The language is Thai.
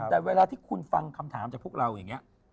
แต่เวลาที่คุณฟังคำถามจากพวกเราอย่างนี้